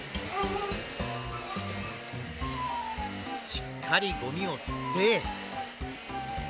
しっかりゴミをすって。